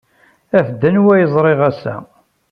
Af-d anwa ay ẓriɣ ass-a.